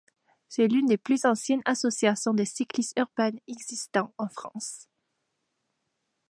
C'est l'une des plus anciennes associations de cyclistes urbains existant en France.